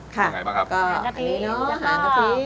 ค่ะอันนี้เนอะหางกะทิ